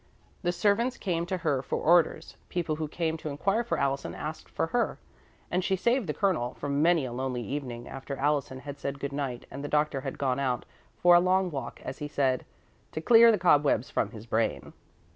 The servants came to her for orders, people who came to inquire for Allison asked for her, and she saved the Colonel from many a lonely evening after Allison had said good night and the Doctor had gone out for a long walk as he said, "to clear the cobwebs from his brain."